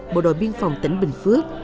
bộ đội biên phòng tỉnh bình phước